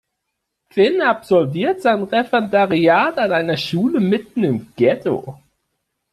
Finn absolviert sein Referendariat an einer Schule mitten im Ghetto.